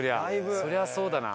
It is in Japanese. そりゃそうだな。